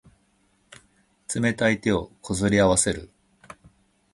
冷たい手をこすり合わせる。